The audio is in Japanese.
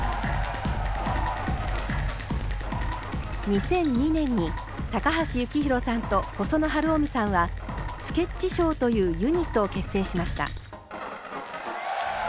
２００２年に高橋幸宏さんと細野晴臣さんはＳＫＥＴＣＨＳＨＯＷというユニットを結成しました。